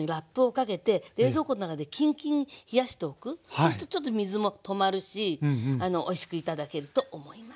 そうするとちょっと水も止まるしおいしく頂けると思います。